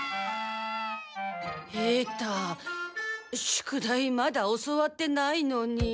平太宿題まだ教わってないのに。